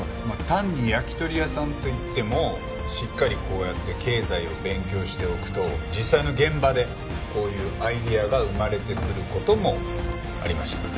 単に焼き鳥屋さんといってもしっかりこうやって経済を勉強しておくと実際の現場でこういうアイデアが生まれてくる事もありました。